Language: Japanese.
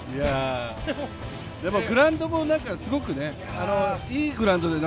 グラウンドもすごくいいグラウンドで。